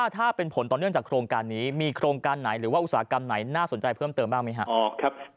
ถ้าเป็นผลต่อเนื่องจากโครงการนี้มีโครงการไหนหรือว่าอุตสาหกรรมไหนน่าสนใจเพิ่มเติมบ้างไหมครับ